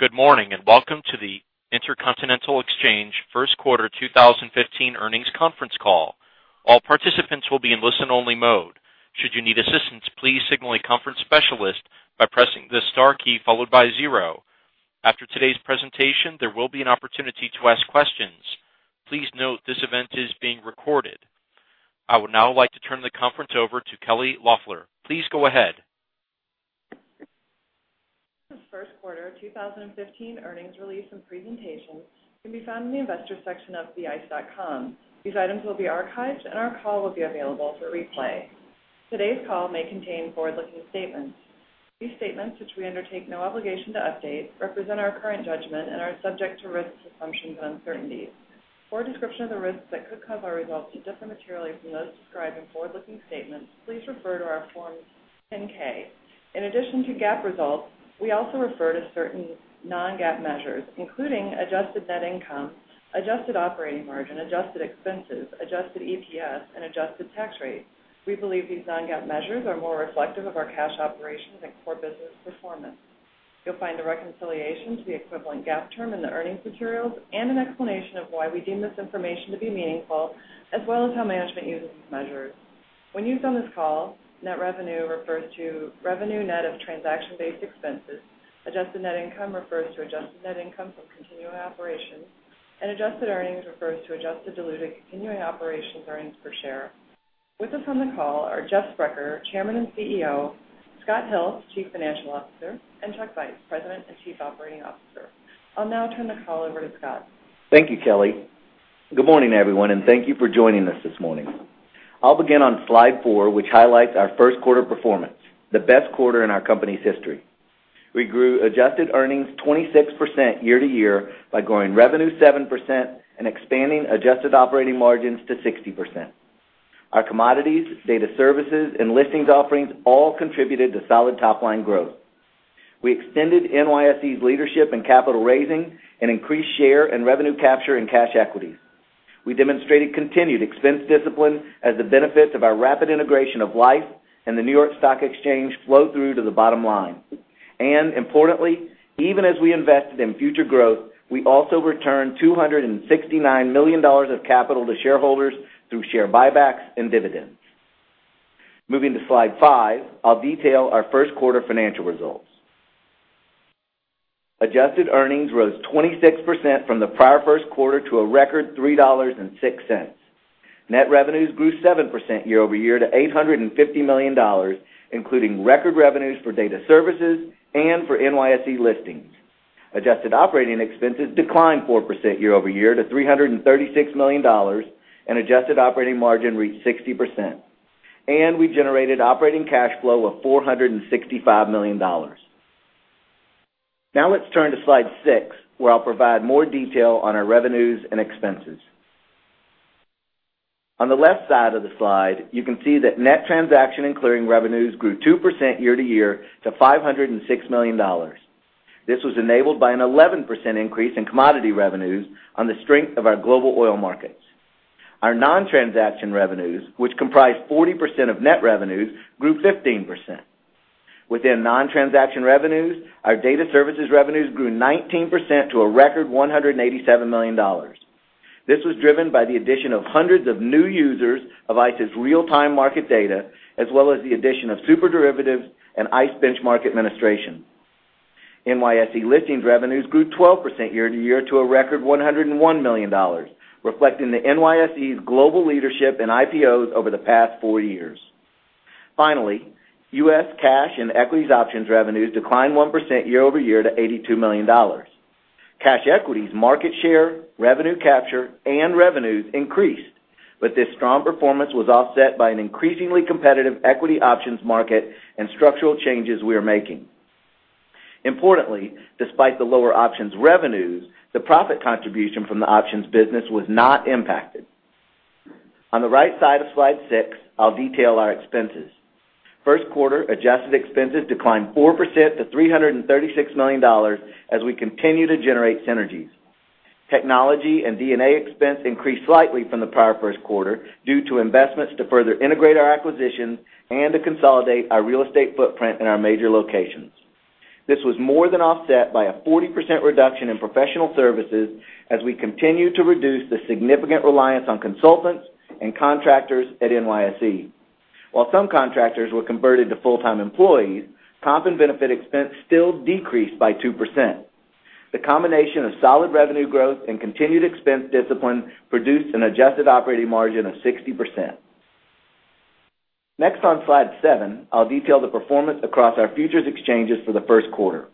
Good morning, and welcome to the Intercontinental Exchange first quarter 2015 earnings conference call. All participants will be in listen-only mode. Should you need assistance, please signal a conference specialist by pressing the star key, followed by zero. Please note this event is being recorded. I would now like to turn the conference over to Kelly Loeffler. Please go ahead. The first quarter of 2015 earnings release and presentation can be found in the Investors section of theice.com. These items will be archived and our call will be available for replay. Today's call may contain forward-looking statements. These statements, which we undertake no obligation to update, represent our current judgment and are subject to risks, assumptions, and uncertainties. For a description of the risks that could cause our results to differ materially from those described in forward-looking statements, please refer to our Form 10-K. In addition to GAAP results, we also refer to certain non-GAAP measures, including adjusted net income, adjusted operating margin, adjusted expenses, adjusted EPS, and adjusted tax rates. We believe these non-GAAP measures are more reflective of our cash operations and core business performance. You'll find the reconciliation to the equivalent GAAP term in the earnings materials and an explanation of why we deem this information to be meaningful, as well as how management uses these measures. When used on this call, net revenue refers to revenue net of transaction-based expenses, adjusted net income refers to adjusted net income from continuing operations, and adjusted earnings refers to adjusted diluted continuing operations earnings per share. With us on the call are Jeffrey Sprecher, Chairman and CEO, Scott Hill, Chief Financial Officer, and Charles Vice, President and Chief Operating Officer. I'll now turn the call over to Scott. Thank you, Kelly. Good morning, everyone, and thank you for joining us this morning. I'll begin on slide four, which highlights our first quarter performance, the best quarter in our company's history. We grew adjusted earnings 26% year-over-year by growing revenue 7% and expanding adjusted operating margins to 60%. Our commodities, data services, and listings offerings all contributed to solid top-line growth. We extended NYSE's leadership in capital raising and increased share and revenue capture in cash equities. We demonstrated continued expense discipline as the benefits of our rapid integration of Liffe and the New York Stock Exchange flow through to the bottom line. Importantly, even as we invested in future growth, we also returned $269 million of capital to shareholders through share buybacks and dividends. Moving to slide five, I'll detail our first quarter financial results. Adjusted earnings rose 26% from the prior first quarter to a record $3.06. Net revenues grew 7% year-over-year to $850 million, including record revenues for data services and for NYSE listings. Adjusted operating expenses declined 4% year-over-year to $336 million, and adjusted operating margin reached 60%. We generated operating cash flow of $465 million. Now let's turn to slide six, where I'll provide more detail on our revenues and expenses. On the left side of the slide, you can see that net transaction and clearing revenues grew 2% year-to-year to $506 million. This was enabled by an 11% increase in commodity revenues on the strength of our global oil markets. Our non-transaction revenues, which comprise 40% of net revenues, grew 15%. Within non-transaction revenues, our data services revenues grew 19% to a record $187 million. This was driven by the addition of hundreds of new users of ICE's real-time market data, as well as the addition of SuperDerivatives and ICE Benchmark Administration. NYSE listings revenues grew 12% year-to-year to a record $101 million, reflecting the NYSE's global leadership in IPOs over the past four years. Finally, U.S. cash and equities options revenues declined 1% year-over-year to $82 million. Cash equities market share, revenue capture, and revenues increased, this strong performance was offset by an increasingly competitive equity options market and structural changes we are making. Importantly, despite the lower options revenues, the profit contribution from the options business was not impacted. On the right side of slide six, I'll detail our expenses. First quarter adjusted expenses declined 4% to $336 million as we continue to generate synergies. Technology and D&A expense increased slightly from the prior first quarter due to investments to further integrate our acquisitions and to consolidate our real estate footprint in our major locations. This was more than offset by a 40% reduction in professional services as we continue to reduce the significant reliance on consultants and contractors at NYSE. While some contractors were converted to full-time employees, comp and benefit expense still decreased by 2%. The combination of solid revenue growth and continued expense discipline produced an adjusted operating margin of 60%. Next on slide seven, I'll detail the performance across our futures exchanges for the first quarter.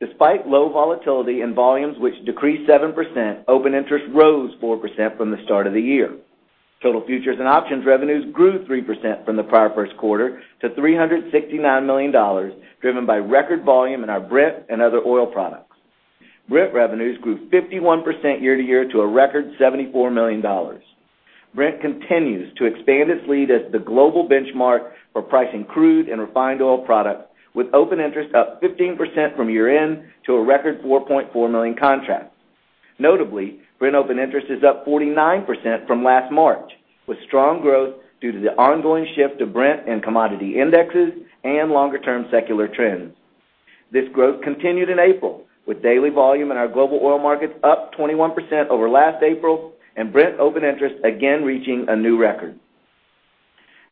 Despite low volatility and volumes, which decreased 7%, open interest rose 4% from the start of the year. Total futures and options revenues grew 3% from the prior first quarter to $369 million, driven by record volume in our Brent and other oil products. Brent revenues grew 51% year-to-year to a record $74 million. Brent continues to expand its lead as the global benchmark for pricing crude and refined oil products, with open interest up 15% from year-end to a record 4.4 million contracts. Notably, Brent open interest is up 49% from last March, with strong growth due to the ongoing shift of Brent and commodity indexes and longer-term secular trends. This growth continued in April, with daily volume in our global oil markets up 21% over last April, Brent open interest again reaching a new record.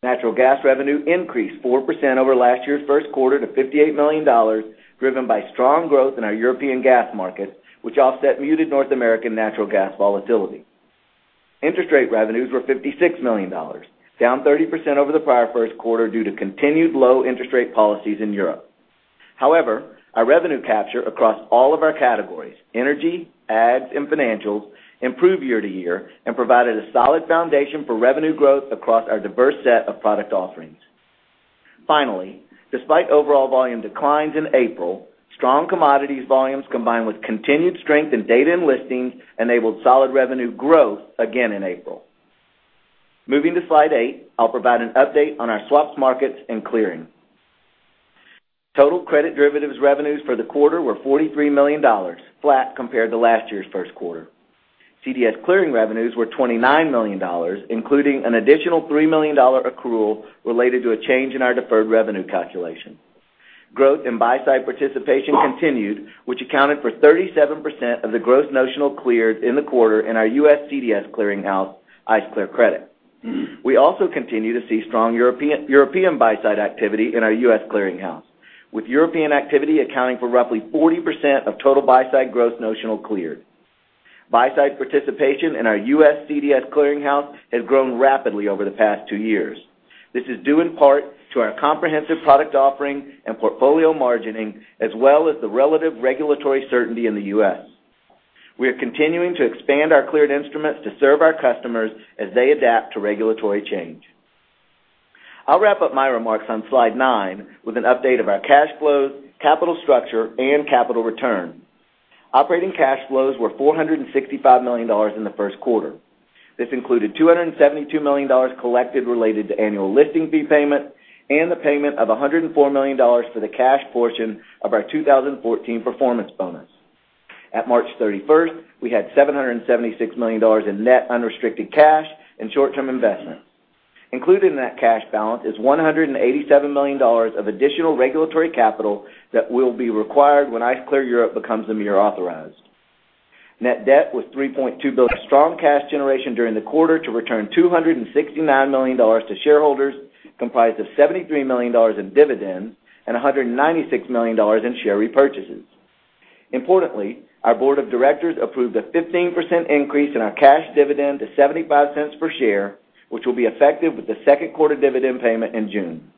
Natural gas revenue increased 4% over last year's first quarter to $58 million, driven by strong growth in our European gas markets, which offset muted North American natural gas volatility. Interest rate revenues were $56 million, down 30% over the prior first quarter due to continued low interest rate policies in Europe. Our revenue capture across all of our categories, energy, ags, and financials, improved year-to-year and provided a solid foundation for revenue growth across our diverse set of product offerings. Despite overall volume declines in April, strong commodities volumes combined with continued strength in data and listings enabled solid revenue growth again in April. Moving to slide eight, I'll provide an update on our swaps markets and clearing. Total credit derivatives revenues for the quarter were $43 million, flat compared to last year's first quarter. CDS clearing revenues were $29 million, including an additional $3 million accrual related to a change in our deferred revenue calculation. Growth in buy-side participation continued, which accounted for 37% of the gross notional cleared in the quarter in our U.S. CDS clearing house, ICE Clear Credit. We also continue to see strong European buy-side activity in our U.S. clearing house, with European activity accounting for roughly 40% of total buy-side gross notional cleared. Buy-side participation in our U.S. CDS clearing house has grown rapidly over the past two years. This is due in part to our comprehensive product offering and portfolio margining, as well as the relative regulatory certainty in the U.S. We are continuing to expand our cleared instruments to serve our customers as they adapt to regulatory change. I'll wrap up my remarks on slide nine with an update of our cash flows, capital structure, and capital return. Operating cash flows were $465 million in the first quarter. This included $272 million collected related to annual listing fee payment and the payment of $104 million for the cash portion of our 2014 performance bonus. At March 31st, we had $776 million in net unrestricted cash and short-term investments. Included in that cash balance is $187 million of additional regulatory capital that will be required when ICE Clear Europe becomes EMIR authorized. Net debt was $3.2 billion. Strong cash generation during the quarter to return $269 million to shareholders, comprised of $73 million in dividends and $196 million in share repurchases. Our board of directors approved a 15% increase in our cash dividend to $0.75 per share, which will be effective with the second quarter dividend payment in June.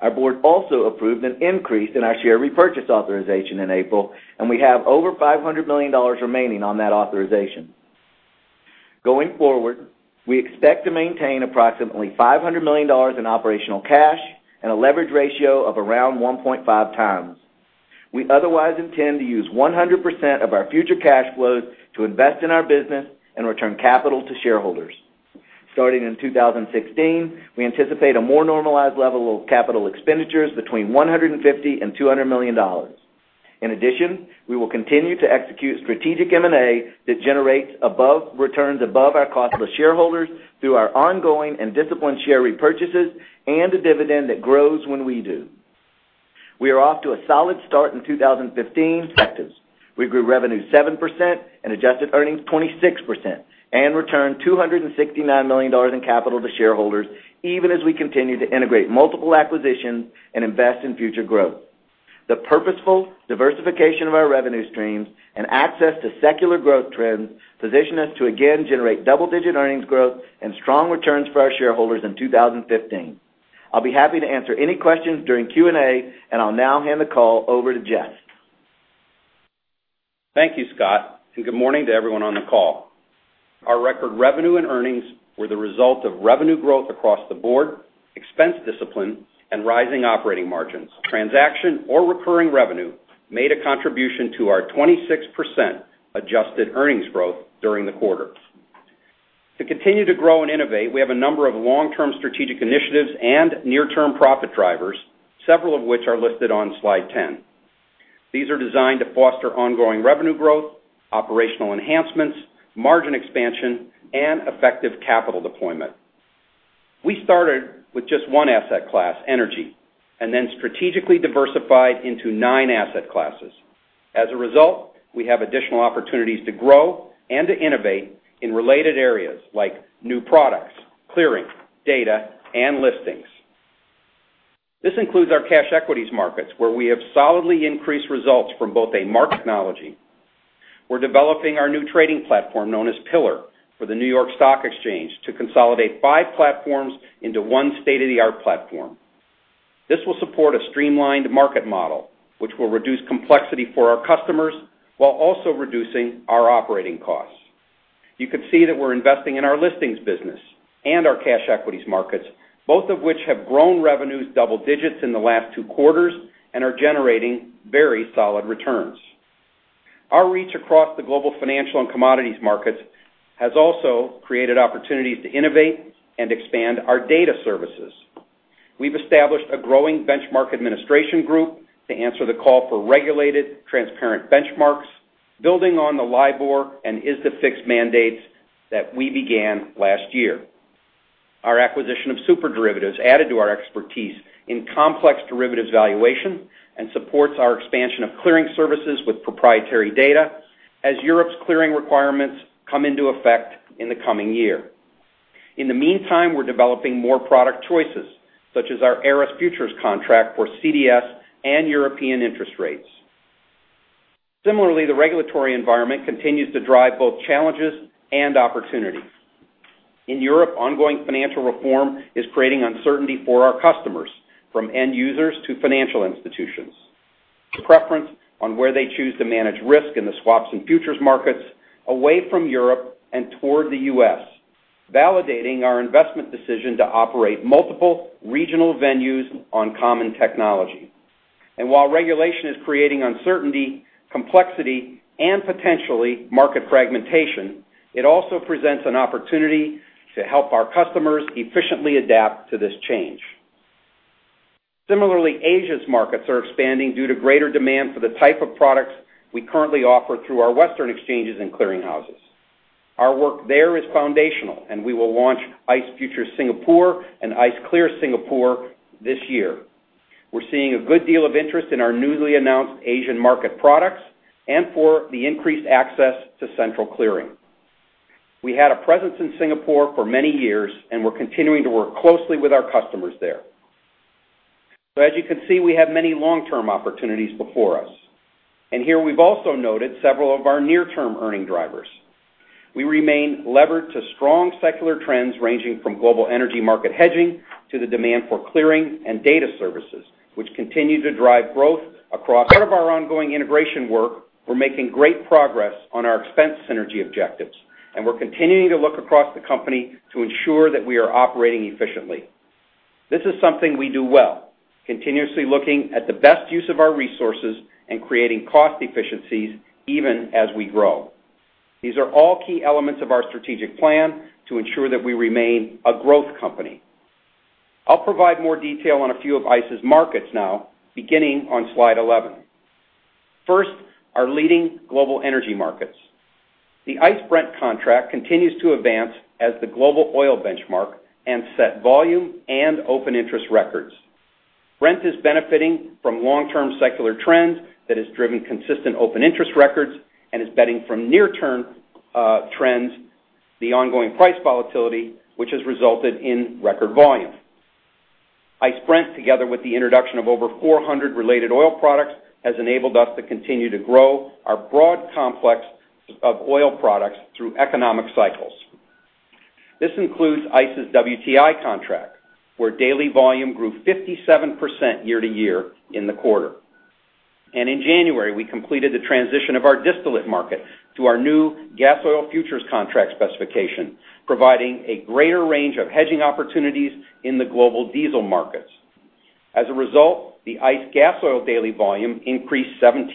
Our board also approved an increase in our share repurchase authorization in April, and we have over $500 million remaining on that authorization. We expect to maintain approximately $500 million in operational cash and a leverage ratio of around 1.5 times. We otherwise intend to use 100% of our future cash flows to invest in our business and return capital to shareholders. We anticipate a more normalized level of capital expenditures between $150 million-$200 million. We will continue to execute strategic M&A that generates returns above our cost of shareholders through our ongoing and disciplined share repurchases and a dividend that grows when we do. We are off to a solid start in 2015. We grew revenue 7% and adjusted earnings 26% and returned $269 million in capital to shareholders, even as we continue to integrate multiple acquisitions and invest in future growth. The purposeful diversification of our revenue streams and access to secular growth trends position us to again generate double-digit earnings growth and strong returns for our shareholders in 2015. I'll be happy to answer any questions during Q&A. I'll now hand the call over to Jeff. Thank you, Scott. Good morning to everyone on the call. Our record revenue and earnings were the result of revenue growth across the board, expense discipline, and rising operating margins. Transaction or recurring revenue made a contribution to our 26% adjusted earnings growth during the quarter. To continue to grow and innovate, we have a number of long-term strategic initiatives and near-term profit drivers, several of which are listed on slide 10. These are designed to foster ongoing revenue growth, operational enhancements, margin expansion, and effective capital deployment. We started with just one asset class, energy, then strategically diversified into nine asset classes. As a result, we have additional opportunities to grow and to innovate in related areas like new products, clearing, data, and listings. This includes our cash equities markets, where we have solidly increased results from both a market technology. We're developing our new trading platform, known as Pillar, for the New York Stock Exchange to consolidate five platforms into one state-of-the-art platform. This will support a streamlined market model, which will reduce complexity for our customers while also reducing our operating costs. You can see that we're investing in our listings business and our cash equities markets, both of which have grown revenues double digits in the last two quarters and are generating very solid returns. Our reach across the global financial and commodities markets has also created opportunities to innovate and expand our data services. We've established a growing benchmark administration group to answer the call for regulated, transparent benchmarks, building on the LIBOR and ISDAFIX mandates that we began last year. Our acquisition of SuperDerivatives added to our expertise in complex derivatives valuation and supports our expansion of clearing services with proprietary data, as Europe's clearing requirements come into effect in the coming year. In the meantime, we're developing more product choices, such as our Eris futures contract for CDS and European interest rates. Similarly, the regulatory environment continues to drive both challenges and opportunities. In Europe, ongoing financial reform is creating uncertainty for our customers, from end users to financial institutions. The preference on where they choose to manage risk in the swaps and futures markets away from Europe and toward the U.S., validating our investment decision to operate multiple regional venues on common technology. While regulation is creating uncertainty, complexity, and potentially market fragmentation, it also presents an opportunity to help our customers efficiently adapt to this change. Similarly, Asia's markets are expanding due to greater demand for the type of products we currently offer through our Western exchanges and clearing houses. Our work there is foundational, we will launch ICE Futures Singapore and ICE Clear Singapore this year. We're seeing a good deal of interest in our newly announced Asian market products and for the increased access to central clearing. We had a presence in Singapore for many years, and we're continuing to work closely with our customers there. As you can see, we have many long-term opportunities before us. Here, we've also noted several of our near-term earning drivers. We remain levered to strong secular trends, ranging from global energy market hedging to the demand for clearing and data services, which continue to drive growth across. Part of our ongoing integration work, we're making great progress on our expense synergy objectives, and we're continuing to look across the company to ensure that we are operating efficiently. This is something we do well, continuously looking at the best use of our resources and creating cost efficiencies even as we grow. These are all key elements of our strategic plan to ensure that we remain a growth company. I'll provide more detail on a few of ICE's markets now, beginning on slide 11. First, our leading global energy markets. The ICE Brent contract continues to advance as the global oil benchmark and set volume and open interest records. Brent is benefiting from long-term secular trends that has driven consistent open interest records and is benefiting from near-term trends the ongoing price volatility, which has resulted in record volume. ICE Brent, together with the introduction of over 400 related oil products, has enabled us to continue to grow our broad complex of oil products through economic cycles. This includes ICE's WTI contract, where daily volume grew 57% year-to-year in the quarter. In January, we completed the transition of our distillate market to our new gasoil futures contract specification, providing a greater range of hedging opportunities in the global diesel markets. As a result, the ICE gasoil daily volume increased 17%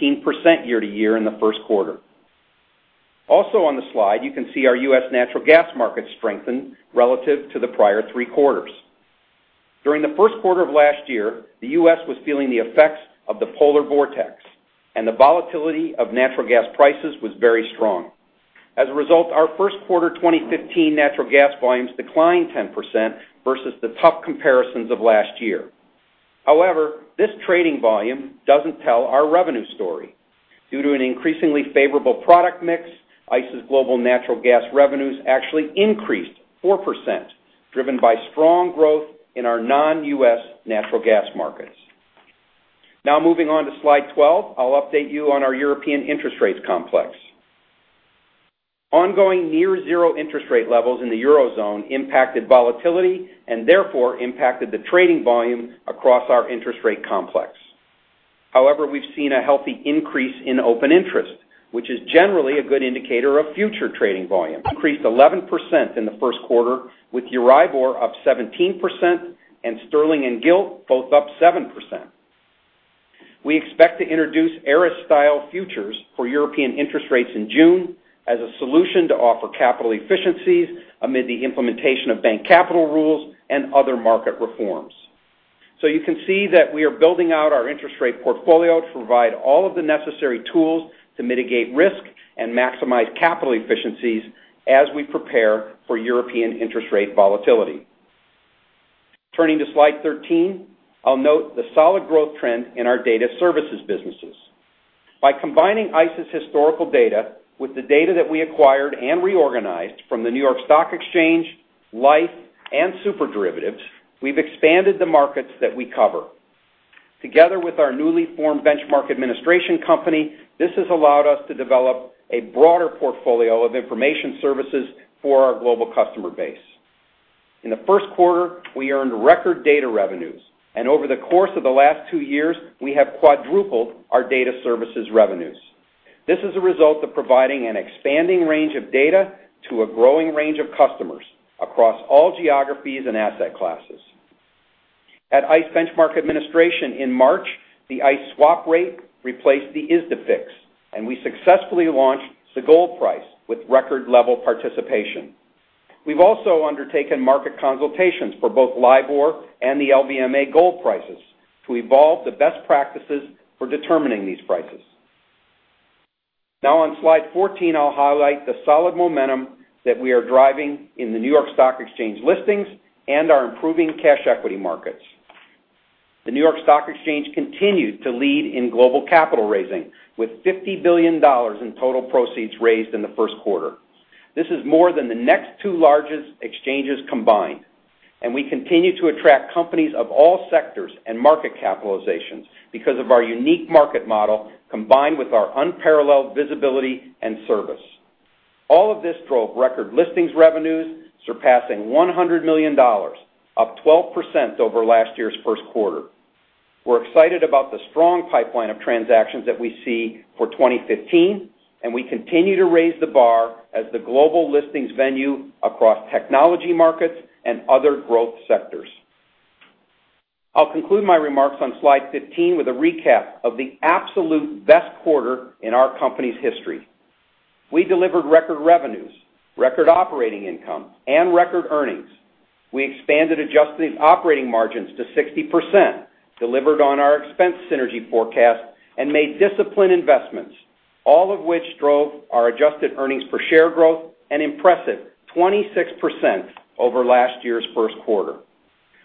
year-to-year in the first quarter. Also on the slide, you can see our U.S. natural gas market strengthened relative to the prior three quarters. During the first quarter of last year, the U.S. was feeling the effects of the polar vortex, and the volatility of natural gas prices was very strong. As a result, our first quarter 2015 natural gas volumes declined 10% versus the tough comparisons of last year. However, this trading volume doesn't tell our revenue story. Due to an increasingly favorable product mix, ICE's global natural gas revenues actually increased 4%, driven by strong growth in our non-U.S. natural gas markets. Now moving on to slide 12, I'll update you on our European interest rates complex. Ongoing near-zero interest rate levels in the Eurozone impacted volatility and therefore impacted the trading volume across our interest rate complex. However, we've seen a healthy increase in open interest, which is generally a good indicator of future trading volume. Open interest increased 11% in the first quarter, with EURIBOR up 17% and Sterling and Gilt both up 7%. We expect to introduce Eris-style futures for European interest rates in June as a solution to offer capital efficiencies amid the implementation of bank capital rules and other market reforms. You can see that we are building out our interest rate portfolio to provide all of the necessary tools to mitigate risk and maximize capital efficiencies as we prepare for European interest rate volatility. Turning to slide 13, I'll note the solid growth trend in our data services businesses. By combining ICE's historical data with the data that we acquired and reorganized from the New York Stock Exchange, Liffe, and SuperDerivatives, we've expanded the markets that we cover. Together with our newly formed benchmark administration company, this has allowed us to develop a broader portfolio of information services for our global customer base. In the first quarter, we earned record data revenues, over the course of the last two years, we have quadrupled our data services revenues. This is a result of providing an expanding range of data to a growing range of customers across all geographies and asset classes. At ICE Benchmark Administration in March, the ICE Swap Rate replaced the ISDAFIX. We successfully launched the gold price with record level participation. We've also undertaken market consultations for both LIBOR and the LBMA gold prices to evolve the best practices for determining these prices. On slide 14, I'll highlight the solid momentum that we are driving in the New York Stock Exchange listings and our improving cash equity markets. The New York Stock Exchange continues to lead in global capital raising, with $50 billion in total proceeds raised in the first quarter. This is more than the next two largest exchanges combined, we continue to attract companies of all sectors and market capitalizations because of our unique market model, combined with our unparalleled visibility and service. All of this drove record listings revenues surpassing $100 million, up 12% over last year's first quarter. We're excited about the strong pipeline of transactions that we see for 2015, we continue to raise the bar as the global listings venue across technology markets and other growth sectors. I'll conclude my remarks on slide 15 with a recap of the absolute best quarter in our company's history. We delivered record revenues, record operating income, and record earnings. We expanded adjusted operating margins to 60%, delivered on our expense synergy forecast, and made disciplined investments, all of which drove our adjusted earnings per share growth an impressive 26% over last year's first quarter.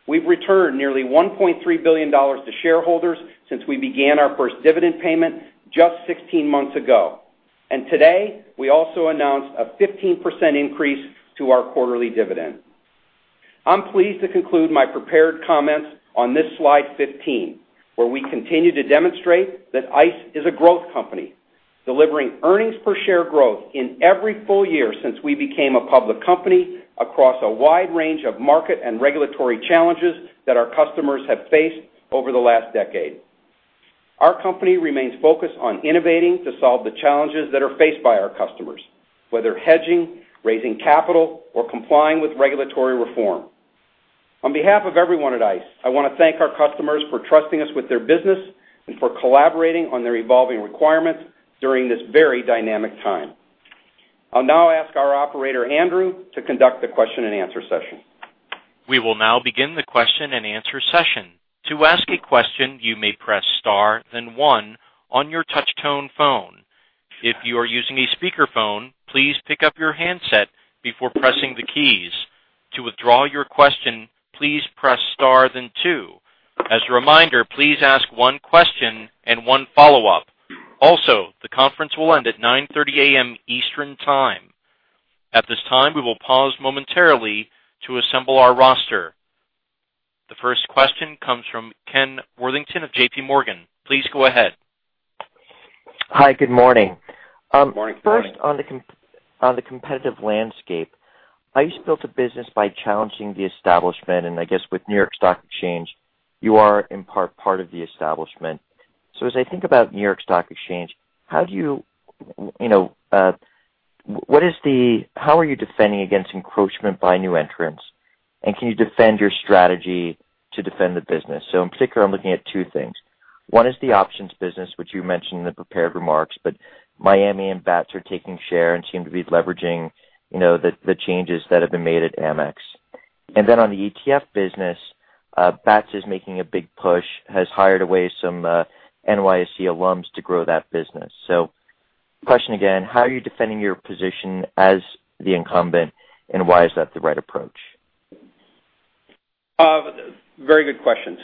We've returned nearly $1.3 billion to shareholders since we began our first dividend payment just 16 months ago. Today, we also announced a 15% increase to our quarterly dividend. I'm pleased to conclude my prepared comments on this slide 15, where we continue to demonstrate that ICE is a growth company, delivering earnings per share growth in every full year since we became a public company, across a wide range of market and regulatory challenges that our customers have faced over the last decade. Our company remains focused on innovating to solve the challenges that are faced by our customers, whether hedging, raising capital, or complying with regulatory reform. On behalf of everyone at ICE, I want to thank our customers for trusting us with their business and for collaborating on their evolving requirements during this very dynamic time. I'll now ask our operator, Andrew, to conduct the question and answer session. We will now begin the question and answer session. To ask a question, you may press star then one on your touch tone phone. If you are using a speakerphone, please pick up your handset before pressing the keys. To withdraw your question, please press star then two. As a reminder, please ask one question and one follow-up. The conference will end at 9:30 A.M. Eastern Time. At this time, we will pause momentarily to assemble our roster. The first question comes from Kenneth Worthington of JPMorgan. Please go ahead. Hi, good morning. Morning. First, on the competitive landscape. ICE built a business by challenging the establishment. I guess with New York Stock Exchange, you are, in part of the establishment. As I think about New York Stock Exchange, how are you defending against encroachment by new entrants? Can you defend your strategy to defend the business? In particular, I'm looking at two things. One is the options business, which you mentioned in the prepared remarks, but Miami and BATS are taking share and seem to be leveraging the changes that have been made at Amex. Then on the ETF business, BATS is making a big push, has hired away some NYSE alums to grow that business. Question again, how are you defending your position as the incumbent, and why is that the right approach? Very good question.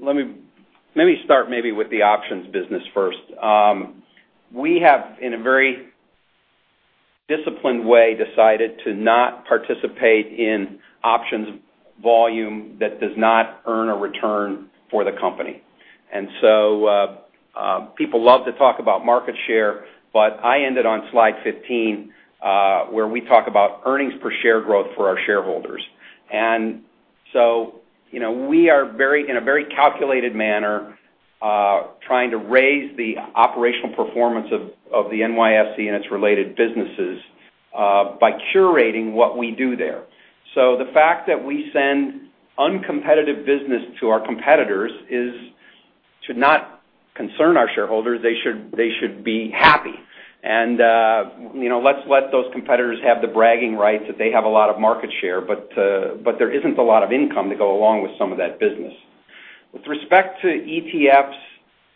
Let me start maybe with the options business first. We have, in a very disciplined way, decided to not participate in options volume that does not earn a return for the company. People love to talk about market share, but I ended on slide fifteen, where we talk about earnings per share growth for our shareholders. We are, in a very calculated manner, trying to raise the operational performance of the NYSE and its related businesses by curating what we do there. The fact that we send uncompetitive business to our competitors is to not concern our shareholders. They should be happy. Let's let those competitors have the bragging rights that they have a lot of market share, but there isn't a lot of income to go along with some of that business. With respect to ETFs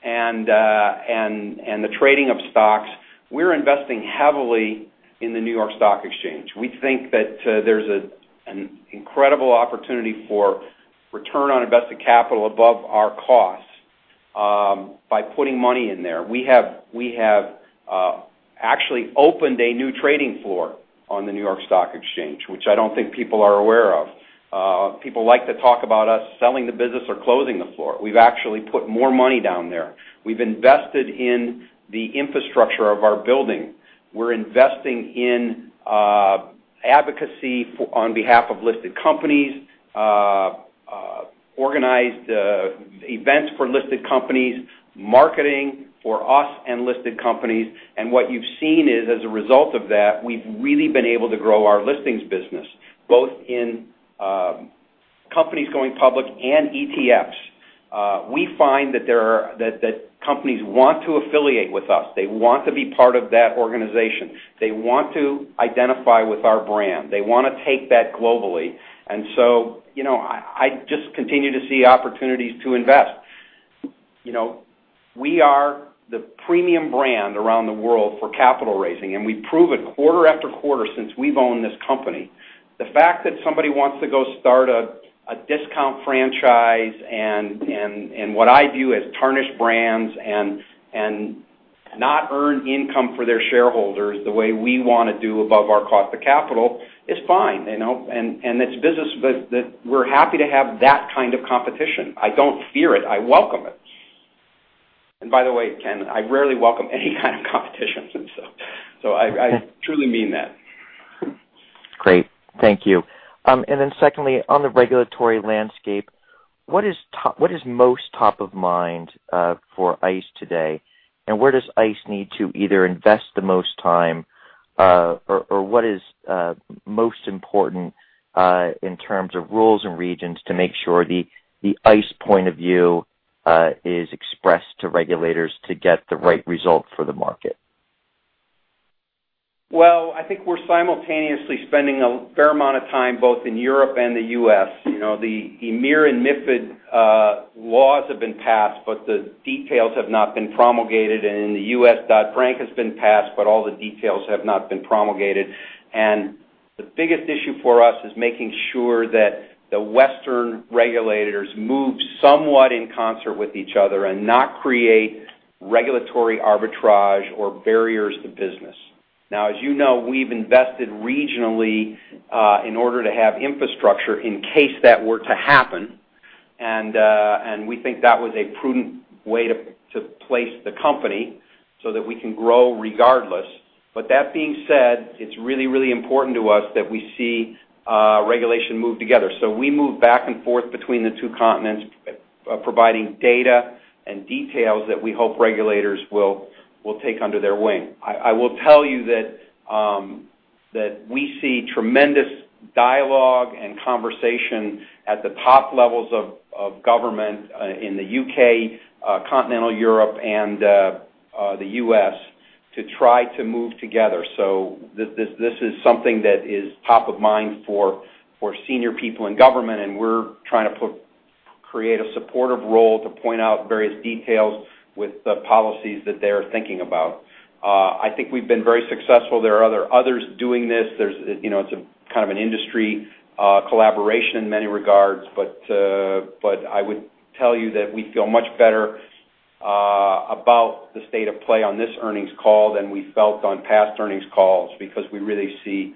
and the trading of stocks, we're investing heavily in the New York Stock Exchange. We think that there's an incredible opportunity for return on invested capital above our costs by putting money in there. We have actually opened a new trading floor on the New York Stock Exchange, which I don't think people are aware of. People like to talk about us selling the business or closing the floor. We've actually put more money down there. We've invested in the infrastructure of our building. We're investing in advocacy on behalf of listed companies, organized events for listed companies, marketing for us and listed companies. What you've seen is, as a result of that, we've really been able to grow our listings business, both in Companies going public and ETFs. We find that companies want to affiliate with us. They want to be part of that organization. They want to identify with our brand. They want to take that globally. I just continue to see opportunities to invest. We are the premium brand around the world for capital raising, we prove it quarter after quarter since we've owned this company. The fact that somebody wants to go start a discount franchise, what I view as tarnish brands, not earn income for their shareholders the way we want to do above our cost of capital, is fine. It's business, but we're happy to have that kind of competition. I don't fear it. I welcome it. By the way, Ken, I rarely welcome any kind of competition. I truly mean that. Great. Thank you. Secondly, on the regulatory landscape, what is most top of mind for ICE today? Where does ICE need to either invest the most time, or what is most important in terms of rules and regions to make sure the ICE point of view is expressed to regulators to get the right result for the market? Well, I think we're simultaneously spending a fair amount of time both in Europe and the U.S. The EMIR and MiFID laws have been passed, but the details have not been promulgated. In the U.S., Dodd-Frank has been passed, but all the details have not been promulgated. The biggest issue for us is making sure that the Western regulators move somewhat in concert with each other and not create regulatory arbitrage or barriers to business. As you know, we've invested regionally, in order to have infrastructure in case that were to happen. We think that was a prudent way to place the company so that we can grow regardless. That being said, it's really, really important to us that we see regulation move together. We move back and forth between the two continents, providing data and details that we hope regulators will take under their wing. I will tell you that we see tremendous dialogue and conversation at the top levels of government, in the U.K., continental Europe, and the U.S. to try to move together. This is something that is top of mind for senior people in government, and we're trying to create a supportive role to point out various details with the policies that they are thinking about. I think we've been very successful. There are others doing this. It's kind of an industry collaboration in many regards. I would tell you that we feel much better about the state of play on this earnings call than we felt on past earnings calls, because we really see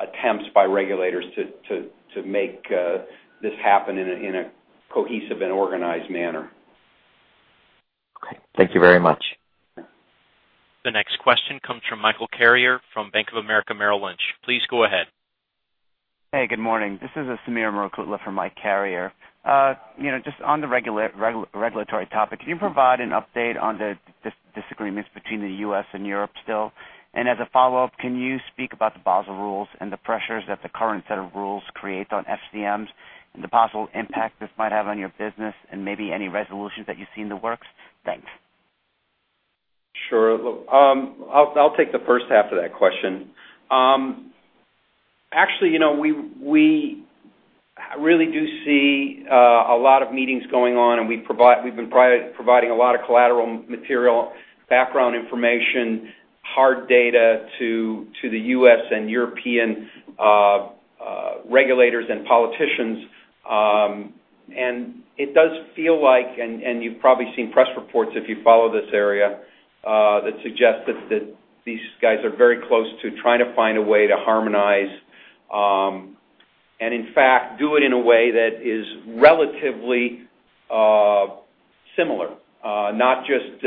attempts by regulators to make this happen in a cohesive and organized manner. Okay. Thank you very much. The next question comes from Michael Carrier from Bank of America Merrill Lynch. Please go ahead. Hey, good morning. This is Sameer Murukutla for Mike Carrier. Just on the regulatory topic, can you provide an update on the disagreements between the U.S. and Europe still? As a follow-up, can you speak about the Basel rules and the pressures that the current set of rules creates on FCMs and the possible impact this might have on your business, and maybe any resolutions that you see in the works? Thanks. Sure. I'll take the first half of that question. Actually, we really do see a lot of meetings going on, and we've been providing a lot of collateral material, background information, hard data to the U.S. and European regulators and politicians. It does feel like, and you've probably seen press reports if you follow this area, that suggest that these guys are very close to trying to find a way to harmonize. In fact, do it in a way that is relatively similar. Not just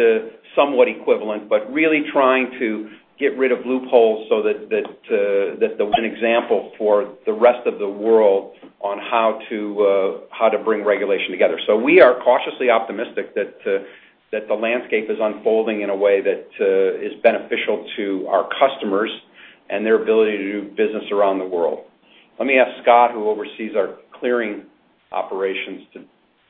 somewhat equivalent, but really trying to get rid of loopholes so that they're one example for the rest of the world on how to bring regulation together. We are cautiously optimistic that the landscape is unfolding in a way that is beneficial to our customers and their ability to do business around the world. Let me ask Scott, who oversees our clearing operations, to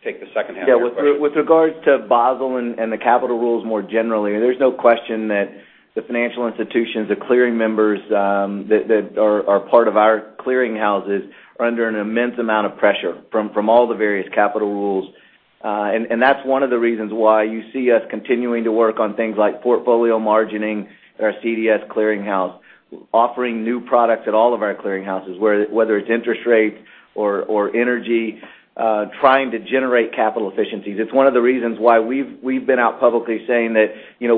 take the second half of the question. Yeah. With regards to Basel and the capital rules more generally, there's no question that the financial institutions, the clearing members that are part of our clearing houses, are under an immense amount of pressure from all the various capital rules. That's one of the reasons why you see us continuing to work on things like portfolio margining, our CDS clearing house, offering new products at all of our clearing houses, whether it's interest rates or energy, trying to generate capital efficiencies. It's one of the reasons why we've been out publicly saying that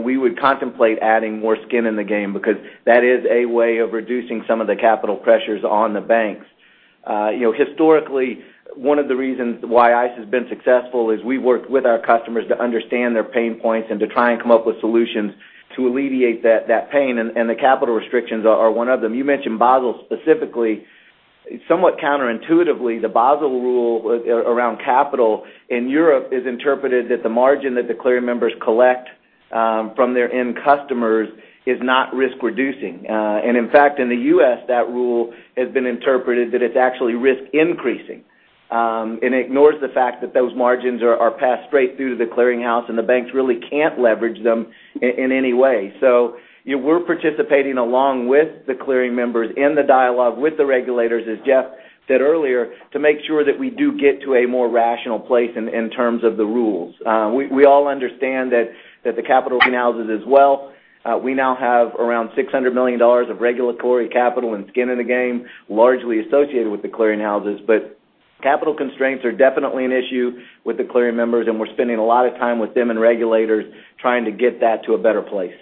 we would contemplate adding more skin in the game because that is a way of reducing some of the capital pressures on the banks. Historically, one of the reasons why ICE has been successful is we worked with our customers to understand their pain points and to try and come up with solutions to alleviate that pain, and the capital restrictions are one of them. You mentioned Basel specifically. Somewhat counterintuitively, the Basel rule around capital in Europe is interpreted that the margin that the clearing members collect from their end customers is not risk-reducing. In fact, in the U.S., that rule has been interpreted that it's actually risk-increasing. It ignores the fact that those margins are passed straight through to the clearing house, and the banks really can't leverage them in any way. We're participating along with the clearing members in the dialogue with the regulators, as Jeff said earlier, to make sure that we do get to a more rational place in terms of the rules. We all understand that the capital clearing houses as well. We now have around $600 million of regulatory capital and skin in the game, largely associated with the clearing houses. Capital constraints are definitely an issue with the clearing members, and we're spending a lot of time with them and regulators trying to get that to a better place.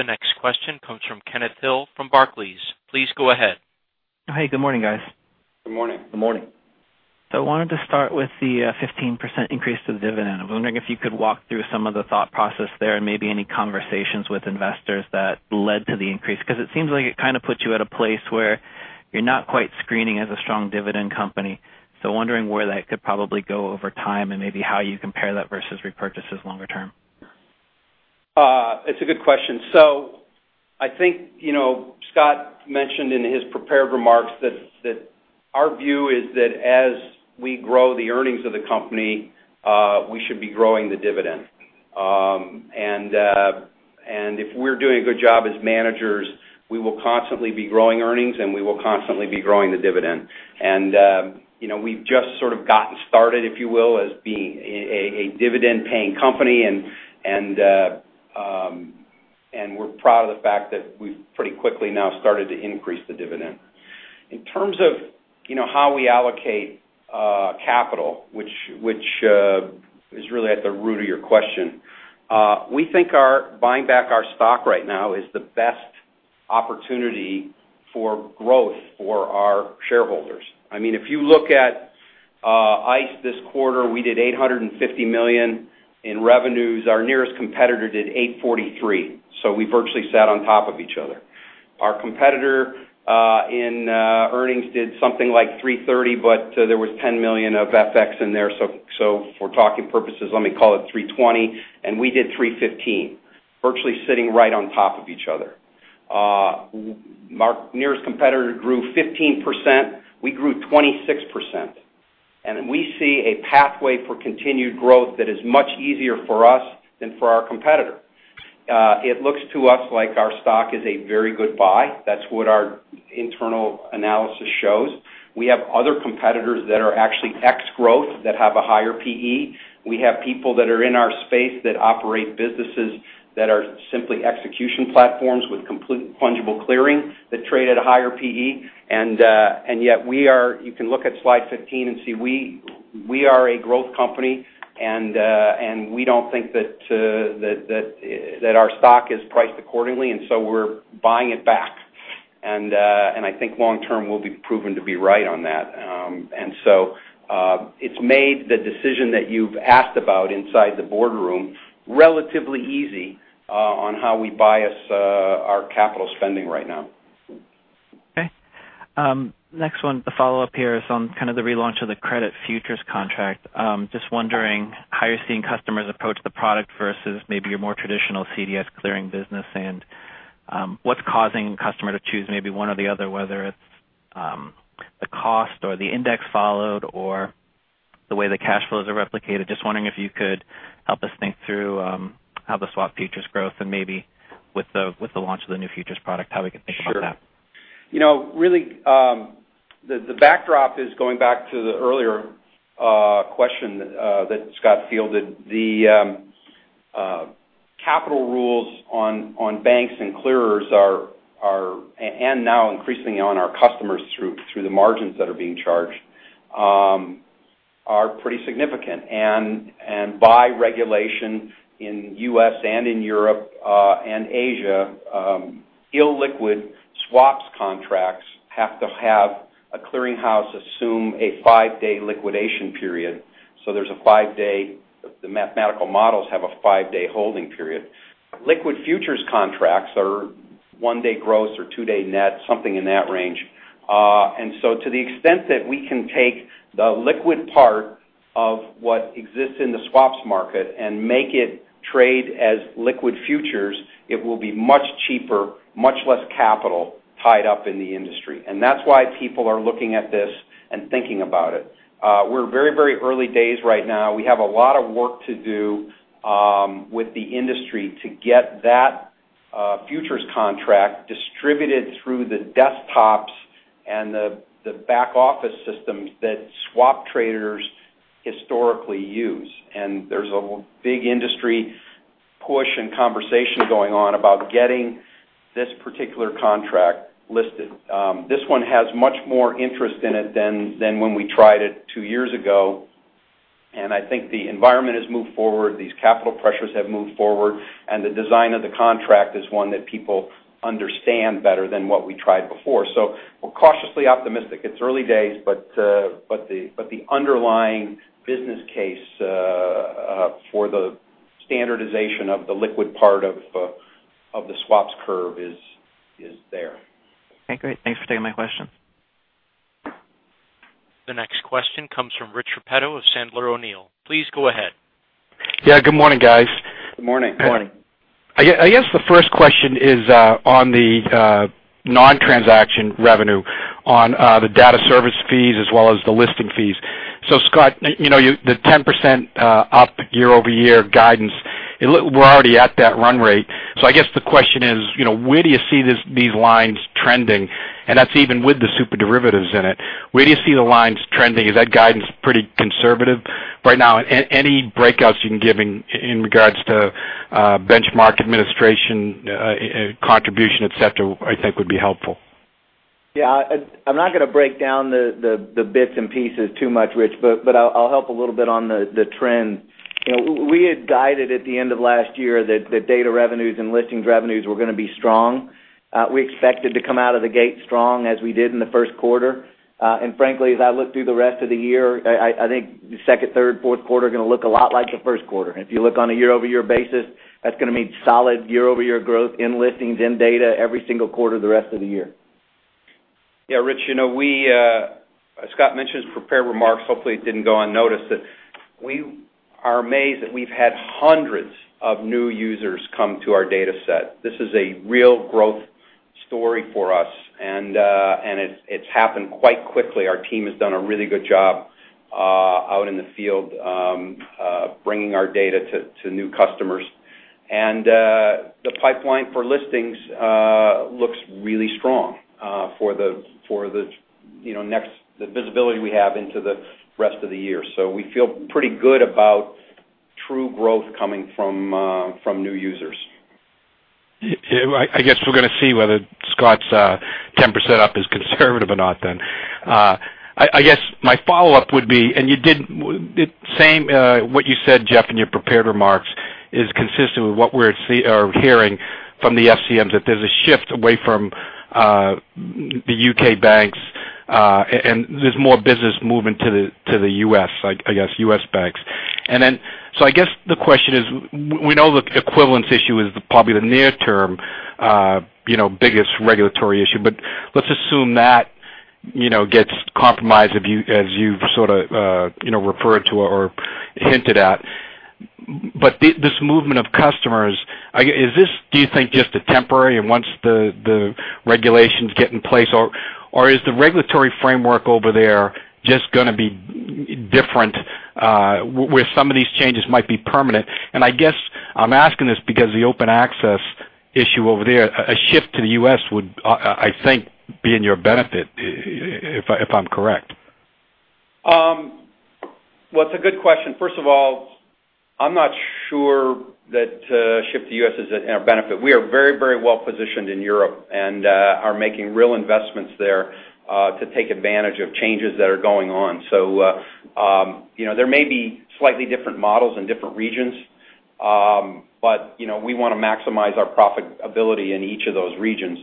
The next question comes from Kenneth Hill from Barclays. Please go ahead. Hey, good morning, guys. Good morning. Good morning. I wanted to start with the 15% increase to the dividend. I was wondering if you could walk through some of the thought process there, and maybe any conversations with investors that led to the increase, because it seems like it kind of puts you at a place where you're not quite screening as a strong dividend company. Wondering where that could probably go over time, and maybe how you compare that versus repurchases longer term. It's a good question. I think Scott mentioned in his prepared remarks that our view is that as we grow the earnings of the company, we should be growing the dividend. If we're doing a good job as managers, we will constantly be growing earnings, and we will constantly be growing the dividend. We've just sort of gotten started, if you will, as being a dividend-paying company, and we're proud of the fact that we've pretty quickly now started to increase the dividend. In terms of how we allocate capital, which is really at the root of your question, we think buying back our stock right now is the best opportunity for growth for our shareholders. If you look at ICE this quarter, we did $850 million in revenues. Our nearest competitor did $843 million. We virtually sat on top of each other. Our competitor in earnings did something like $330 million, but there was $10 million of FX in there. For talking purposes, let me call it $320 million, and we did $315 million, virtually sitting right on top of each other. Our nearest competitor grew 15%, we grew 26%. We see a pathway for continued growth that is much easier for us than for our competitor. It looks to us like our stock is a very good buy. That's what our internal analysis shows. We have other competitors that are actually ex-growth that have a higher PE. We have people that are in our space that operate businesses that are simply execution platforms with complete fungible clearing that trade at a higher PE. Yet, you can look at slide 15 and see we are a growth company, and we don't think that our stock is priced accordingly, and so we're buying it back. I think long term, we'll be proven to be right on that. It's made the decision that you've asked about inside the boardroom relatively easy on how we bias our capital spending right now. Okay. Next one, the follow-up here is on kind of the relaunch of the credit futures contract. Just wondering how you're seeing customers approach the product versus maybe your more traditional CDS clearing business. What's causing a customer to choose maybe one or the other, whether it's the cost or the index followed or the way the cash flows are replicated. Just wondering if you could help us think through how the swap futures growth and maybe with the launch of the new futures product, how we can think about that. Sure. Really, the backdrop is going back to the earlier question that Scott fielded. The capital rules on banks and clearers and now increasingly on our customers through the margins that are being charged, are pretty significant. By regulation in U.S. and in Europe and Asia, illiquid swaps contracts have to have a clearing house assume a five-day liquidation period. The mathematical models have a five-day holding period. Liquid futures contracts are one-day gross or two-day net, something in that range. To the extent that we can take the liquid part of what exists in the swaps market and make it trade as liquid futures, it will be much cheaper, much less capital tied up in the industry. That's why people are looking at this and thinking about it. We're very early days right now. We have a lot of work to do with the industry to get that futures contract distributed through the desktops and the back-office systems that swap traders historically use. There's a big industry push and conversation going on about getting this particular contract listed. This one has much more interest in it than when we tried it two years ago. I think the environment has moved forward, these capital pressures have moved forward, and the design of the contract is one that people understand better than what we tried before. We're cautiously optimistic. It's early days, but the underlying business case for the standardization of the liquid part of the swaps curve is there. Okay, great. Thanks for taking my question. The next question comes from Rich Repetto of Sandler O'Neill. Please go ahead. Yeah. Good morning, guys. Good morning. Good morning. I guess the first question is on the non-transaction revenue on the data service fees as well as the listing fees. Scott, the 10% up year-over-year guidance, we're already at that run rate. I guess the question is, where do you see these lines trending? And that's even with the SuperDerivatives in it. Where do you see the lines trending? Is that guidance pretty conservative right now? Any breakouts you can give in regards to benchmark administration, contribution, et cetera, I think would be helpful. Yeah. I'm not going to break down the bits and pieces too much, Rich, but I'll help a little bit on the trend. We had guided at the end of last year that data revenues and listings revenues were going to be strong. We expected to come out of the gate strong as we did in the first quarter. Frankly, as I look through the rest of the year, I think the second, third, fourth quarter are going to look a lot like the first quarter. If you look on a year-over-year basis, that's going to mean solid year-over-year growth in listings, in data, every single quarter the rest of the year. Yeah, Rich, as Scott mentioned his prepared remarks, hopefully it didn't go unnoticed that we are amazed that we've had hundreds of new users come to our data set. This is a real growth story for us, and it's happened quite quickly. Our team has done a really good job out in the field, bringing our data to new customers. The pipeline for listings looks really strong for the visibility we have into the rest of the year. We feel pretty good about true growth coming from new users. I guess we're going to see whether Scott's 10% up is conservative or not then. I guess my follow-up would be, what you said, Jeff, in your prepared remarks is consistent with what we're hearing from the FCMs, that there's a shift away from the U.K. banks, and there's more business movement to the U.S., I guess U.S. banks. I guess the question is, we know the equivalence issue is probably the near-term biggest regulatory issue. Let's assume that gets compromised as you've sort of referred to or hinted at. This movement of customers, is this, do you think, just temporary and once the regulations get in place? Or is the regulatory framework over there just going to be different, where some of these changes might be permanent? I guess I'm asking this because the open access issue over there, a shift to the U.S. would, I think, be in your benefit, if I'm correct. Well, it's a good question. First of all, I'm not sure that a shift to U.S. is in our benefit. We are very well positioned in Europe and are making real investments there to take advantage of changes that are going on. There may be slightly different models in different regions, but we want to maximize our profitability in each of those regions.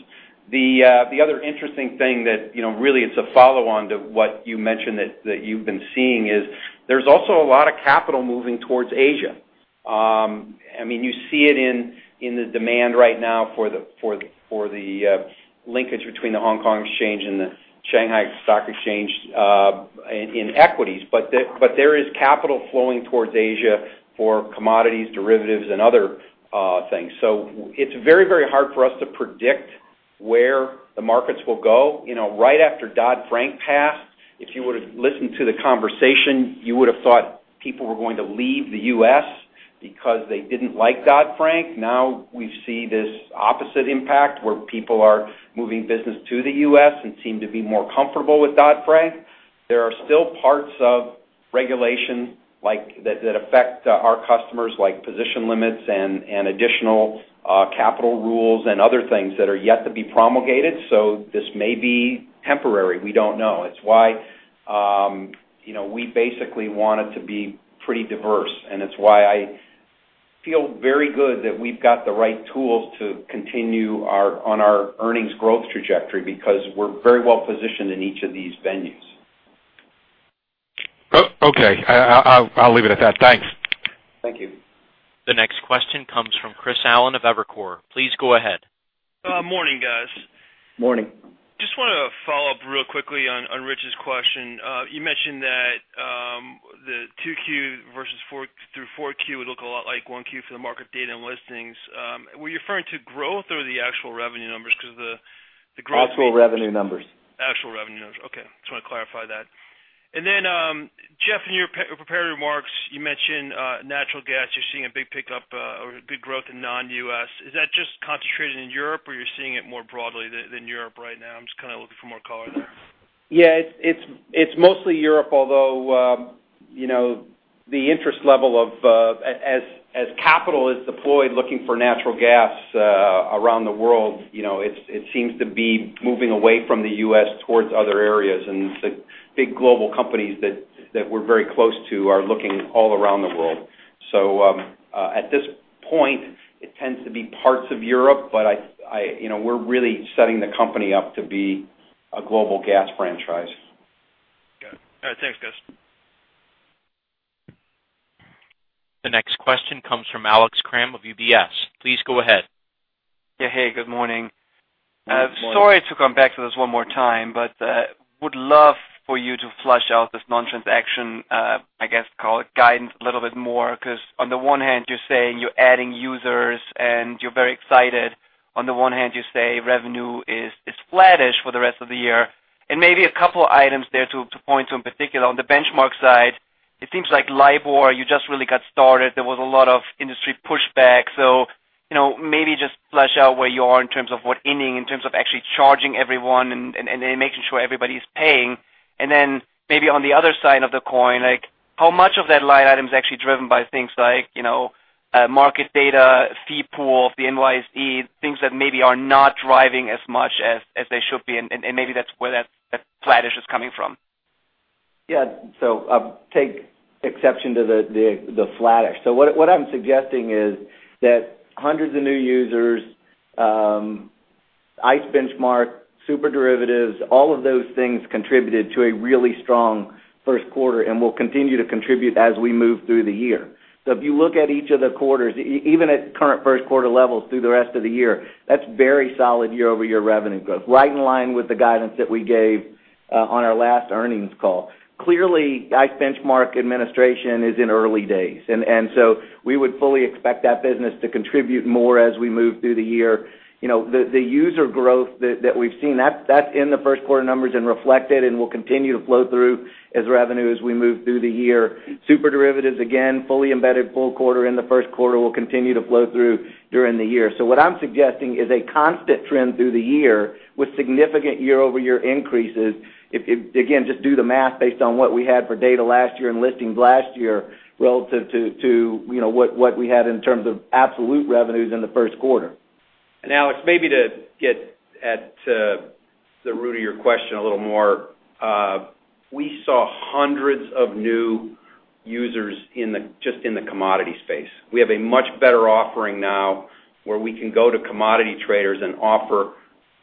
The other interesting thing that really is a follow-on to what you mentioned that you've been seeing is there's also a lot of capital moving towards Asia. You see it in the demand right now for the linkage between the Hong Kong Exchange and the Shanghai Stock Exchange in equities. There is capital flowing towards Asia for commodities, derivatives, and other things. It's very hard for us to predict where the markets will go. Right after Dodd-Frank passed, if you would've listened to the conversation, you would've thought people were going to leave the U.S. because they didn't like Dodd-Frank. Now we see this opposite impact, where people are moving business to the U.S. and seem to be more comfortable with Dodd-Frank. There are still parts of regulation that affect our customers, like position limits and additional capital rules and other things that are yet to be promulgated, so this may be temporary. We don't know. It's why we basically want it to be pretty diverse, and it's why I feel very good that we've got the right tools to continue on our earnings growth trajectory because we're very well positioned in each of these venues. Okay. I'll leave it at that. Thanks. Thank you. The next question comes from Chris Allen of Evercore. Please go ahead. Morning, guys. Morning. Just want to follow up real quickly on Rich's question. You mentioned that the 2Q versus through 4Q would look a lot like 1Q for the market data and listings. Were you referring to growth or the actual revenue numbers? Because the growth- Actual revenue numbers. Actual revenue numbers. Okay. Just want to clarify that. Jeff, in your prepared remarks, you mentioned natural gas. You're seeing a big pickup or good growth in non-U.S. Is that just concentrated in Europe, or you're seeing it more broadly than Europe right now? I'm just kind of looking for more color there. It's mostly Europe, although the interest level of as capital is deployed looking for natural gas around the world, it seems to be moving away from the U.S. towards other areas, and the big global companies that we're very close to are looking all around the world. At this point, it tends to be parts of Europe, but we're really setting the company up to be a global gas franchise. Got it. All right, thanks, guys. Alex Kramm of UBS, please go ahead. Yeah. Hey, good morning. Good morning. Sorry to come back to this one more time, but would love for you to flesh out this non-transaction, I guess, call it guidance, a little bit more. On the one hand, you're saying you're adding users and you're very excited. On the one hand, you say revenue is flattish for the rest of the year. Maybe a couple items there to point to in particular. On the benchmark side, it seems like LIBOR, you just really got started. There was a lot of industry pushback. Maybe just flesh out where you are in terms of what inning, in terms of actually charging everyone and then making sure everybody's paying. Then maybe on the other side of the coin, how much of that line item is actually driven by things like market data, fee pool, the NYSE, things that maybe are not driving as much as they should be, and maybe that's where that flattish is coming from. Yeah. Take exception to the flattish. What I'm suggesting is that hundreds of new users, ICE Benchmark, SuperDerivatives, all of those things contributed to a really strong first quarter and will continue to contribute as we move through the year. If you look at each of the quarters, even at current first quarter levels through the rest of the year, that's very solid year-over-year revenue growth. Right in line with the guidance that we gave on our last earnings call. Clearly, ICE Benchmark Administration is in early days, and we would fully expect that business to contribute more as we move through the year. The user growth that we've seen, that's in the first quarter numbers and reflected and will continue to flow through as revenue as we move through the year. SuperDerivatives, again, fully embedded full quarter in the first quarter, will continue to flow through during the year. What I'm suggesting is a constant trend through the year with significant year-over-year increases. Again, just do the math based on what we had for data last year and listings last year relative to what we had in terms of absolute revenues in the first quarter. Alex, maybe to get at the root of your question a little more, we saw hundreds of new users just in the commodity space. We have a much better offering now where we can go to commodity traders and offer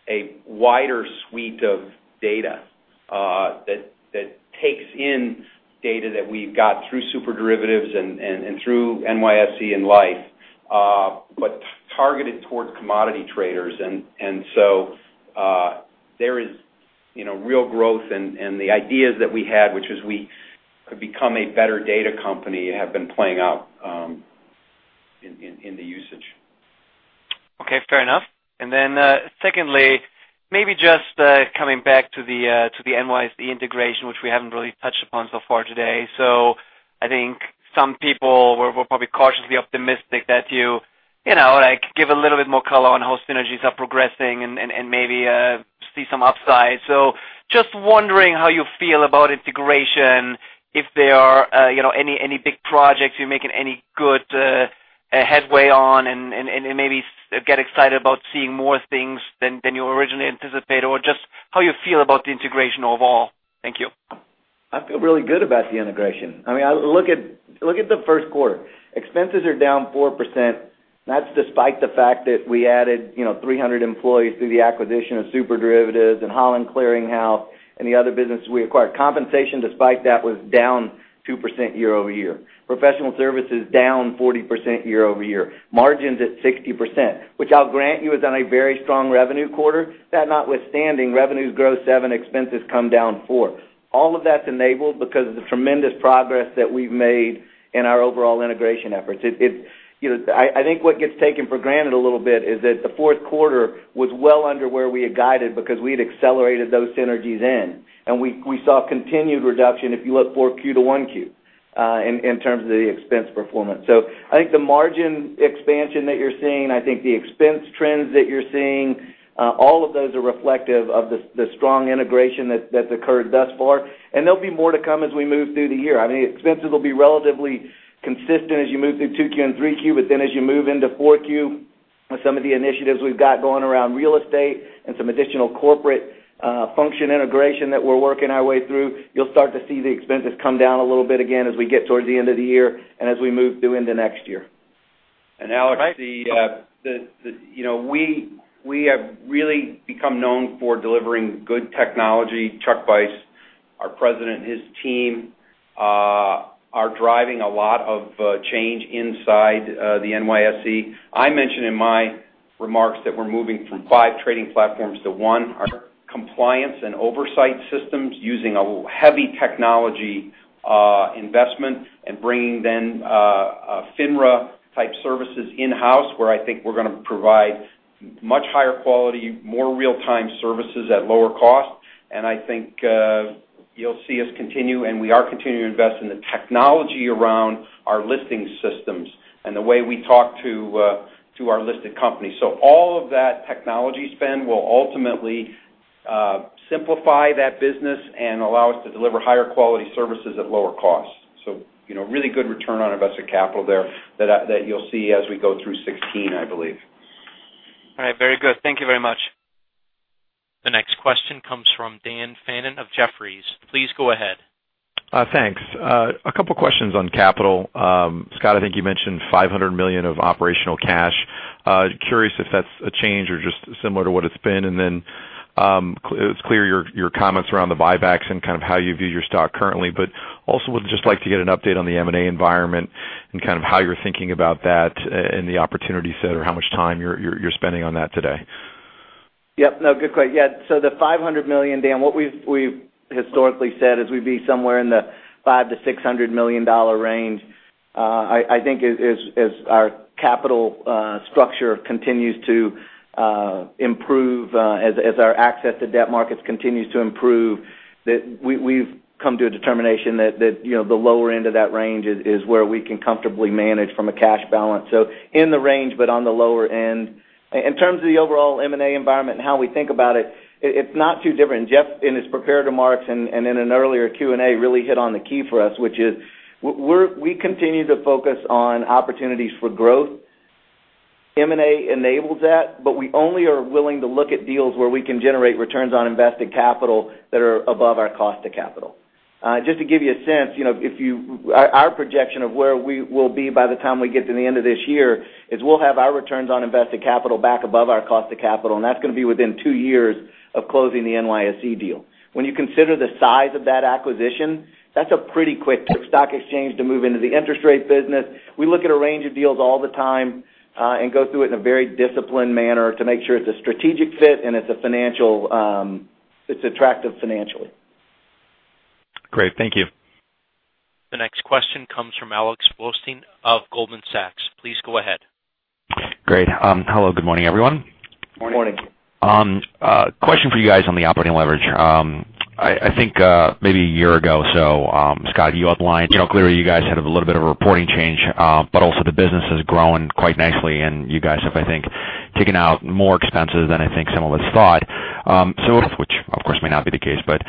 a wider suite of data, that takes in data that we've got through SuperDerivatives and through NYSE and Liffe, but targeted towards commodity traders. There is real growth and the ideas that we had, which is we could become a better data company, have been playing out in the usage. Okay, fair enough. Secondly, maybe just coming back to the NYSE integration, which we haven't really touched upon so far today. I think some people were probably cautiously optimistic that you give a little bit more color on how synergies are progressing and maybe see some upside. Just wondering how you feel about integration, if there are any big projects you're making any good headway on, and maybe get excited about seeing more things than you originally anticipated, or just how you feel about the integration overall. Thank you. I feel really good about the integration. Look at the first quarter. Expenses are down 4%, and that's despite the fact that we added 300 employees through the acquisition of SuperDerivatives and Holland Clearing House and the other business we acquired. Compensation, despite that, was down 2% year-over-year. Professional services down 40% year-over-year. Margins at 60%, which I'll grant you is on a very strong revenue quarter. That notwithstanding, revenues grow 7%, expenses come down 4%. All of that's enabled because of the tremendous progress that we've made in our overall integration efforts. I think what gets taken for granted a little bit is that the fourth quarter was well under where we had guided because we had accelerated those synergies in, and we saw continued reduction if you look 4Q to 1Q, in terms of the expense performance. I think the margin expansion that you're seeing, I think the expense trends that you're seeing, all of those are reflective of the strong integration that's occurred thus far. There'll be more to come as we move through the year. Expenses will be relatively consistent as you move through 2Q and 3Q, as you move into 4Q, some of the initiatives we've got going around real estate and some additional corporate function integration that we're working our way through, you'll start to see the expenses come down a little bit again as we get towards the end of the year and as we move through into next year. Alex, we have really become known for delivering good technology. Chuck Vice, our president, his team are driving a lot of change inside the NYSE. I mentioned in my remarks that we're moving from five trading platforms to one. Our compliance and oversight systems using a heavy technology investment and bringing then FINRA-type services in-house, where I think we're going to provide much higher quality, more real-time services at lower cost. I think you'll see us continue, and we are continuing to invest in the technology around our listing systems and the way we talk to our listed companies. All of that technology spend will ultimately simplify that business and allow us to deliver higher quality services at lower cost. Really good return on invested capital there that you'll see as we go through 2016, I believe. All right. Very good. Thank you very much. The next question comes from Daniel Fannon of Jefferies. Please go ahead. Thanks. A couple questions on capital. Scott, I think you mentioned $500 million of operational cash. Curious if that's a change or just similar to what it's been. It's clear your comments around the buybacks and kind of how you view your stock currently, would just like to get an update on the M&A environment and kind of how you're thinking about that and the opportunity set, or how much time you're spending on that today. Yep, no, good point. The $500 million, Dan, what we've historically said is we'd be somewhere in the $500 million to $600 million range. I think as our capital structure continues to improve, as our access to debt markets continues to improve, that we've come to a determination that the lower end of that range is where we can comfortably manage from a cash balance. In the range, but on the lower end. In terms of the overall M&A environment and how we think about it's not too different. Jeff, in his prepared remarks and in an earlier Q&A, really hit on the key for us, which is, we continue to focus on opportunities for growth. M&A enables that, but we only are willing to look at deals where we can generate returns on invested capital that are above our cost to capital. Just to give you a sense, our projection of where we will be by the time we get to the end of this year, is we'll have our returns on invested capital back above our cost to capital, and that's going to be within two years of closing the NYSE deal. When you consider the size of that acquisition, that's a pretty quick stock exchange to move into the interest rate business. We look at a range of deals all the time, and go through it in a very disciplined manner to make sure it's a strategic fit and it's attractive financially. Great. Thank you. The next question comes from Alexander Blostein of Goldman Sachs. Please go ahead. Great. Hello, good morning, everyone. Morning. Morning. Question for you guys on the operating leverage. I think, maybe a year ago or so, Scott, you outlined, clearly you guys had a little bit of a reporting change, but also the business has grown quite nicely, and you guys have, I think, taken out more expenses than I think some of us thought. Some of which, of course, may not be the case, but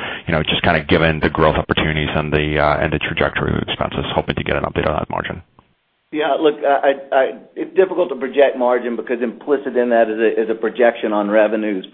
just kind of given the growth opportunities and the trajectory of the expenses, hoping to get an update on that margin. Look, it's difficult to project margin because implicit in that is a projection on revenues.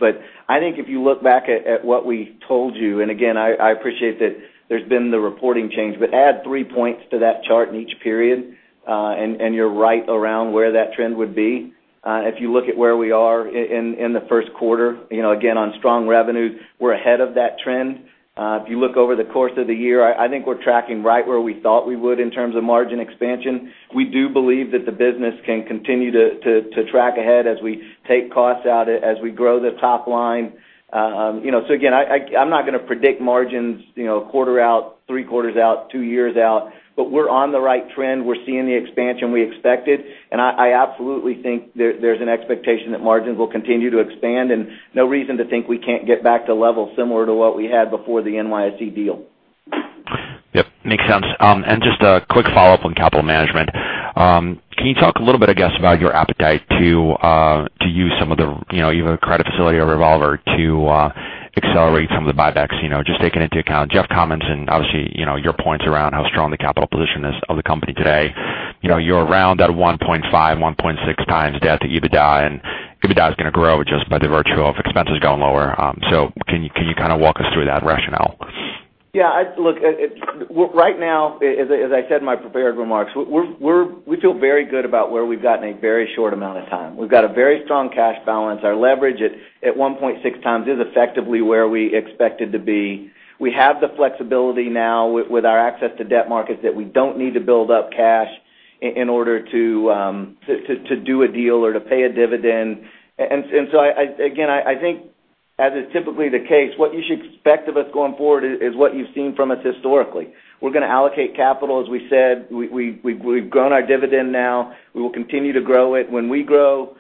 I think if you look back at what we told you, and again, I appreciate that there's been the reporting change, but add 3 points to that chart in each period, and you're right around where that trend would be. If you look at where we are in the 1st quarter, again, on strong revenues, we're ahead of that trend. If you look over the course of the year, I think we're tracking right where we thought we would in terms of margin expansion. We do believe that the business can continue to track ahead as we take costs out, as we grow the top line. Again, I'm not going to predict margins 1 quarter out, 3 quarters out, 2 years out, but we're on the right trend. We're seeing the expansion we expected, and I absolutely think there's an expectation that margins will continue to expand and no reason to think we can't get back to levels similar to what we had before the NYSE deal. Yep, makes sense. Just a quick follow-up on capital management. Can you talk a little bit, I guess, about your appetite to use some of the, either the credit facility or revolver to accelerate some of the buybacks? Just taking into account Jeff comments and obviously, your points around how strong the capital position is of the company today. You're around that 1.5x, 1.6x debt to EBITDA, and EBITDA is going to grow just by the virtue of expenses going lower. Can you kind of walk us through that rationale? Look, right now, as I said in my prepared remarks, we feel very good about where we've gotten a very short amount of time. We've got a very strong cash balance. Our leverage at 1.6x is effectively where we expected to be. We have the flexibility now with our access to debt markets that we don't need to build up cash in order to do a deal or to pay a dividend. Again, I think as is typically the case, what you should expect of us going forward is what you've seen from us historically. We're going to allocate capital, as we said. We've grown our dividend now. We will continue to grow it when we grow.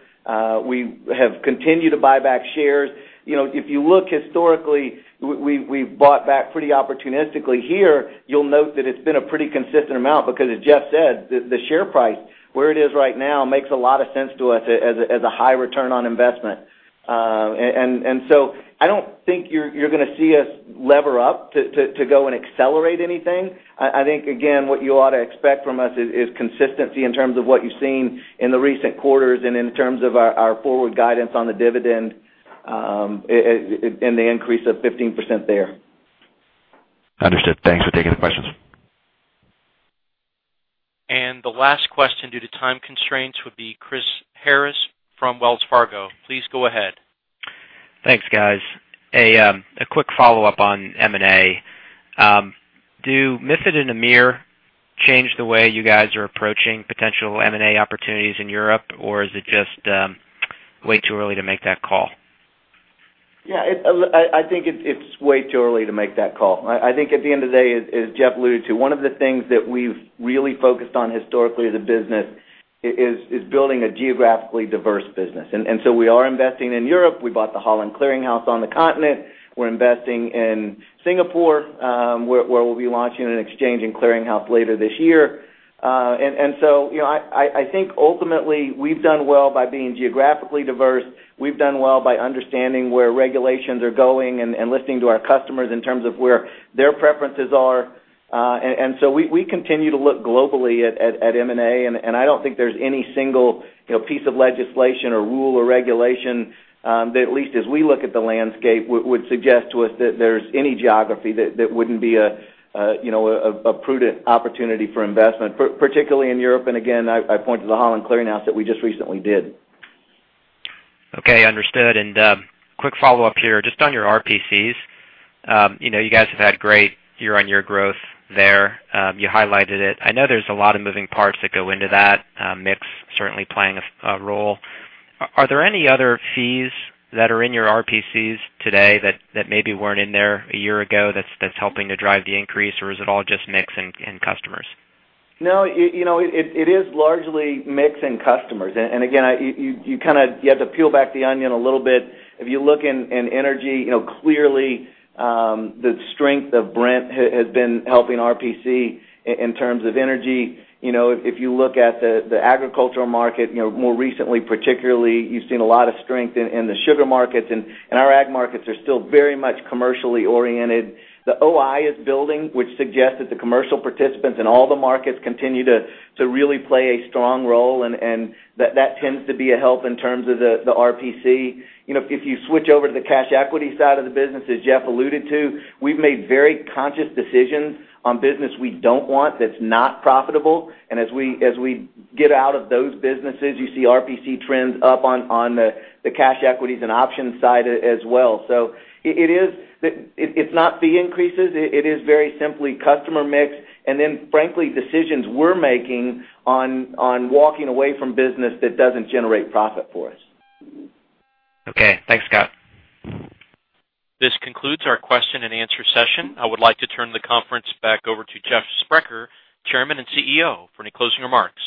We have continued to buy back shares. If you look historically, we've bought back pretty opportunistically here. You'll note that it's been a pretty consistent amount because as Jeff said, the share price, where it is right now, makes a lot of sense to us as a high return on investment. So I don't think you're going to see us lever up to go and accelerate anything. I think, again, what you ought to expect from us is consistency in terms of what you've seen in the recent quarters and in terms of our forward guidance on the dividend, and the increase of 15% there. Understood. Thanks for taking the questions. The last question due to time constraints would be Chris Harris from Wells Fargo. Please go ahead. Thanks, guys. A quick follow-up on M&A. Do MiFID and EMIR change the way you guys are approaching potential M&A opportunities in Europe, or is it just way too early to make that call? Yeah, I think it's way too early to make that call. I think at the end of the day, as Jeff alluded to, one of the things that we've really focused on historically as a business is building a geographically diverse business. We are investing in Europe. We bought the Holland Clearing House on the continent. We're investing in Singapore, where we'll be launching an exchange in clearing house later this year. I think ultimately we've done well by being geographically diverse. We've done well by understanding where regulations are going and listening to our customers in terms of where their preferences are. We continue to look globally at M&A, and I don't think there's any single piece of legislation or rule or regulation, that at least as we look at the landscape, would suggest to us that there's any geography that wouldn't be a prudent opportunity for investment, particularly in Europe. Again, I point to the Holland Clearing House that we just recently did. Okay, understood. Quick follow-up here, just on your RPCs. You guys have had great year-on-year growth there. You highlighted it. I know there's a lot of moving parts that go into that, mix certainly playing a role. Are there any other fees that are in your RPCs today that maybe weren't in there a year ago that's helping to drive the increase, or is it all just mix and customers? No, it is largely mix and customers. Again, you have to peel back the onion a little bit. If you look in energy, clearly, the strength of Brent has been helping RPC in terms of energy. If you look at the agricultural market, more recently, particularly, you've seen a lot of strength in the sugar markets, and our ag markets are still very much commercially oriented. The OI is building, which suggests that the commercial participants in all the markets continue to really play a strong role, and that tends to be a help in terms of the RPC. If you switch over to the cash equity side of the business, as Jeff alluded to, we've made very conscious decisions on business we don't want, that's not profitable. As we get out of those businesses, you see RPC trends up on the cash equities and options side as well. It's not fee increases. It is very simply customer mix, and then frankly, decisions we're making on walking away from business that doesn't generate profit for us. Okay. Thanks, Scott. This concludes our question and answer session. I would like to turn the conference back over to Jeffrey Sprecher, Chairman and CEO, for any closing remarks.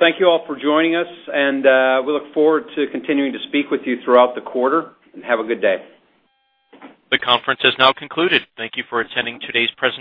Thank you all for joining us, and we look forward to continuing to speak with you throughout the quarter, and have a good day. The conference has now concluded. Thank you for attending today's presentation.